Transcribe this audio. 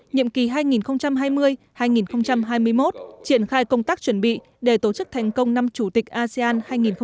nhiệm kỳ hai nghìn hai mươi hai nghìn hai mươi một triển khai công tác chuẩn bị để tổ chức thành công năm chủ tịch asean hai nghìn hai mươi